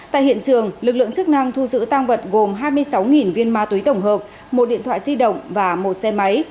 tại hiện trường lực lượng chức năng thu giữ tăng vật gồm hai mươi sáu viên ma túy tổng hợp một điện thoại di động và một xe máy